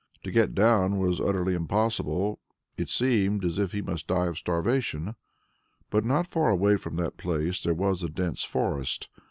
To get down was utterly impossible, it seemed as if he must die of starvation. But not far away from that place there was a dense forest.